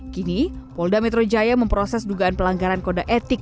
kini polda metro jaya memproses dugaan pelanggaran kode etik